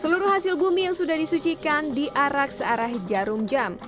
seluruh hasil bumi yang sudah disucikan diarak searah jarum jam